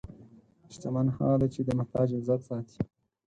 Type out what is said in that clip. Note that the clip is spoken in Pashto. شتمن هغه دی چې د محتاج عزت ساتي.